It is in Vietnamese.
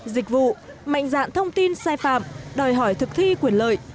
dịch vụ mạnh dạn thông tin sai phạm đòi hỏi thực thi quyền lợi